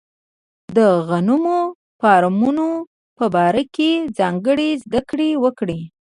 د غنمو د فارمونو په باره کې ځانګړې زده کړې وکړي.